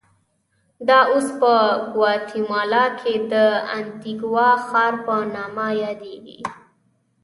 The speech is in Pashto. دا اوس په ګواتیمالا کې د انتیګوا ښار په نامه یادېږي.